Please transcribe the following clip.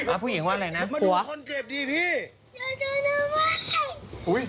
อ้าวผู้หญิงว่าอะไรนะหัว